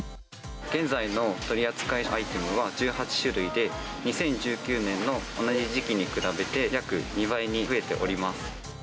現在の取り扱いアイテムは１８種類で、２０１９年の同じ時期に比べて、約２倍に増えております。